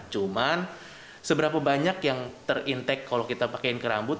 cuman seberapa banyak yang terintek kalau kita pakaiin ke rambut